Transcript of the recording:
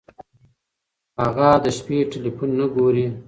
هغه د شپې ټیلیفون نه ګوري.